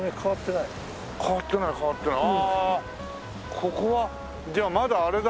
ここはじゃあまだあれだ。